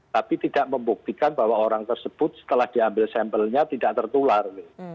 tapi tidak membuktikan bahwa orang tersebut setelah diambil sampelnya tidak tertular